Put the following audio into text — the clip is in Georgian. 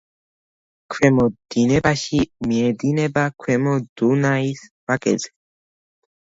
ქვემო დინებაში მიედინება ქვემო დუნაის ვაკეზე.